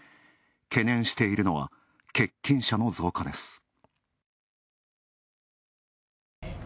懸念しているのは、欠勤者の増加です。